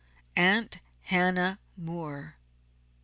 "AUNT HANNAH MOORE."